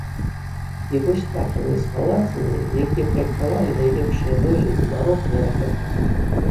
І вось так яны з палацамі, якія праектавалі найлепшыя дойліды барока і ракако.